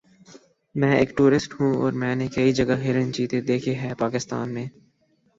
میں ایک ٹورسٹ ہوں اور میں نے کئی جگہ ہرن چیتے دیکھے ہے پاکستان میں